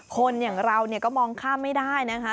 คนอย่างเราก็มองข้ามไม่ได้นะคะ